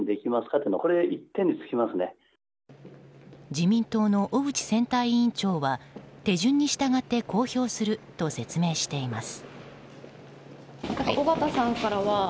自民党の小渕選対委員長は手順に従って公表すると説明しています。